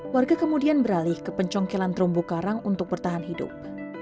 warga kemudian beralih ke pencongkelan terumbu karang untuk bertahan hidup